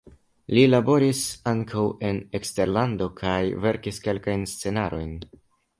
Li laboris ankaŭ en eksterlando kaj verkis kelkajn scenarojn.